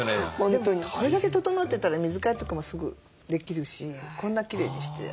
でもこれだけ整ってたら水替えとかもすぐできるしこんなきれいにして。